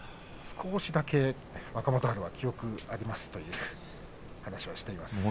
少しだけ若元春は記憶がありますと話をしていました。